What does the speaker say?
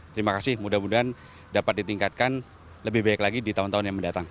terima kasih mudah mudahan dapat ditingkatkan lebih baik lagi di tahun tahun yang mendatang